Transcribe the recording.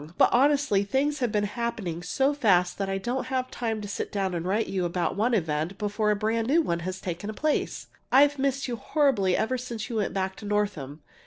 but honestly, things have been happening so fast that I don't have time to sit down and write you about one event before a brand new one has taken place. I've missed you horribly ever since you went back to Northam.